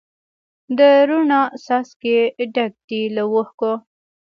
د روڼا څاڅکي ډک دي له اوښکو